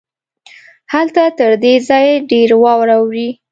هلته تر دې ځای ډېره واوره اوري.